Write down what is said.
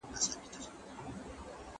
که انا صبر وکړي، نو دا لوی امتحان به وگتي.